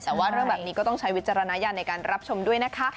แต่ว่าเรื่องแบบนี้ก็ต้องใช้วิจารณญาณในการรับชมด้วยนะคะ